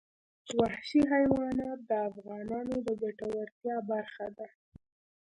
وحشي حیوانات د افغانانو د ګټورتیا برخه ده.